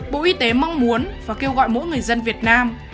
bộ y tế mong muốn và kêu gọi mỗi người dân việt nam